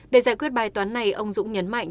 để giải quyết bài toán này ông dũng nhấn mạnh